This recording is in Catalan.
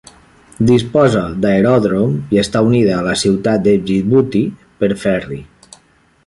Disposa d'aeròdrom i està unida a la ciutat de Djibouti per ferri.